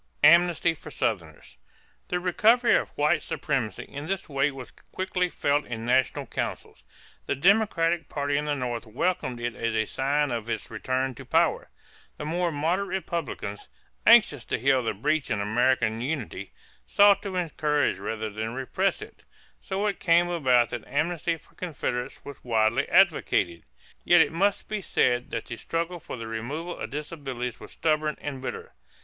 =Amnesty for Southerners.= The recovery of white supremacy in this way was quickly felt in national councils. The Democratic party in the North welcomed it as a sign of its return to power. The more moderate Republicans, anxious to heal the breach in American unity, sought to encourage rather than to repress it. So it came about that amnesty for Confederates was widely advocated. Yet it must be said that the struggle for the removal of disabilities was stubborn and bitter.